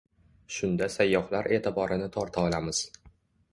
Shunda sayyohlar e’tiborini torta olamiz.